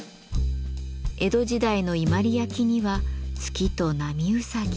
江戸時代の伊万里焼には月と波うさぎ。